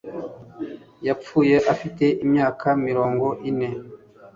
yapfuye afite imyaka mirongo ine